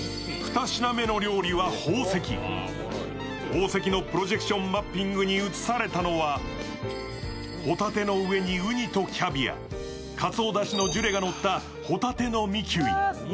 宝石のプロジェクションマッピングに映されたのはホタテの上にウニとキャビア、かつおだしのジュレがのった帆立てのミキュイ。